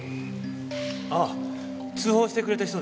ああ通報してくれた人ですね。